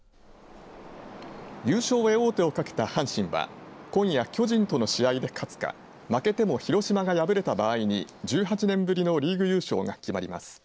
優勝へ王手を懸けた阪神は今夜、巨人との試合で勝つか負けても広島が敗れた場合に１８年ぶりのリーグ優勝が決まります。